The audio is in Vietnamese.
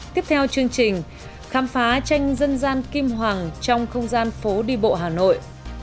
tiếp theo chương trình khám phá tranh dân gian kim hoàng trong không gian phố đi bộ hà nội